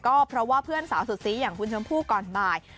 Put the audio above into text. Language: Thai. ก็เพราะว่าเพื่อนสาวสุดซีอย่างคุณชมพู่ก่อนบ่าย